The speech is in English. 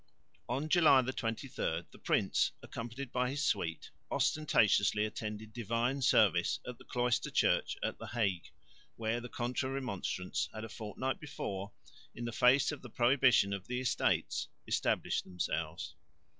On July 23 the Prince, accompanied by his suite, ostentatiously attended divine service at the Cloister Church at the Hague, where the Contra Remonstrants had a fortnight before, in face of the prohibition of the Estates, established themselves.